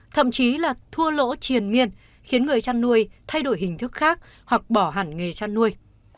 thậm chí là thua lỗ triền miên khiến người chăn nuôi thay đổi hình thức khác hoặc bỏ hẳn nghề chăn nuôi